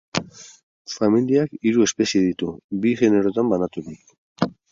Familiak hiru espezie ditu, bi generotan banaturik.